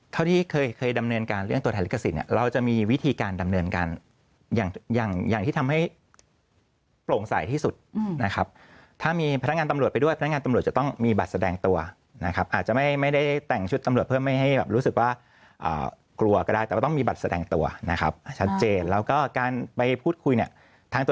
เท่าที่เคยเคยดำเนินการเรื่องตัวแทนลิขสิทธิ์เราจะมีวิธีการดำเนินการอย่างอย่างที่ทำให้โปร่งใสที่สุดนะครับถ้ามีพนักงานตำรวจไปด้วยพนักงานตำรวจจะต้องมีบัตรแสดงตัวนะครับอาจจะไม่ได้แต่งชุดตำรวจเพื่อไม่ให้แบบรู้สึกว่ากลัวก็ได้แต่ว่าต้องมีบัตรแสดงตัวนะครับชัดเจนแล้วก็การไปพูดคุยเนี่ยทั้งต